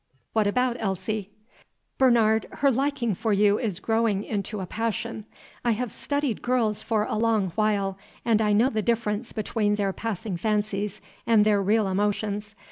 What about Elsie?" "Bernard, her liking for you is growing into a passion. I have studied girls for a long while, and I know the difference between their passing fancies and their real emotions.